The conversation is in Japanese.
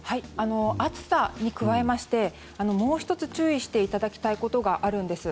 暑さに加えましてもう１つ注意していただきたいことがあるんです。